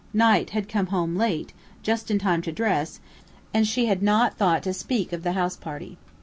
Knight had come home late, just in time to dress, and she had not thought to speak of the house party.